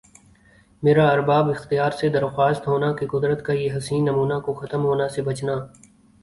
میرا ارباب اختیار سے درخواست ہونا کہ قدرت کا یِہ حسین نمونہ کو ختم ہونا سے بچنا